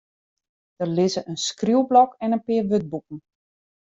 Der lizze in skriuwblok en in pear wurdboeken.